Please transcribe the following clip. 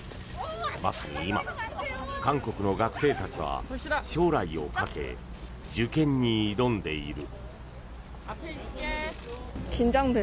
まさに今、韓国の学生たちは将来をかけ、受験に挑んでいる。